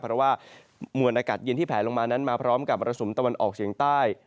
เพราะว่ามวลอากาศเย็นที่แผลลงมานั้นมาพร้อมกับมรสุมตะวันออกเฉียงใต้